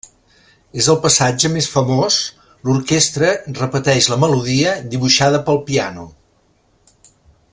És el passatge més famós, l'orquestra repeteix la melodia dibuixada pel piano.